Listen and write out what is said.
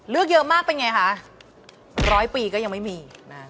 เลือกเยอะมากเป็นไงคะร้อยปีก็ยังไม่มีนะ